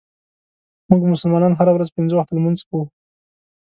مونږ مسلمانان هره ورځ پنځه وخته لمونځ کوو.